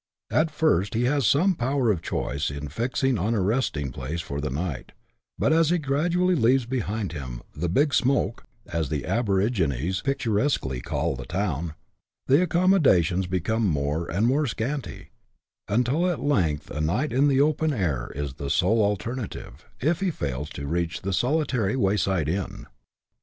At first he has some power of choice in fixing on a resting place for the night ; but, as he gradually leaves behind him the " big smoke " (as the aborigines picturesquely call the town), the accommodations become more and more scanty, until at length a night in the op en air is the sole alternative, if he fails to reach the solitary wayside inn.